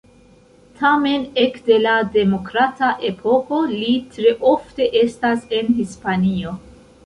Tamen ekde la demokrata epoko, li tre ofte estas en Hispanio.